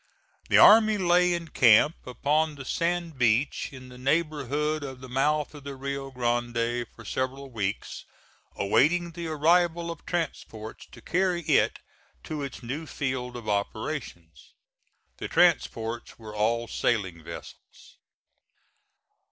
The army lay in camp upon the sand beach in the neighborhood of the mouth of the Rio Grande for several weeks, awaiting the arrival of transports to carry it to its new field of operations. The transports were all sailing vessels.